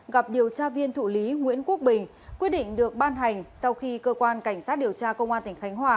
gặp điều tra viên thụ lý nguyễn quốc bình quyết định được ban hành sau khi cơ quan cảnh sát điều tra công an tỉnh khánh hòa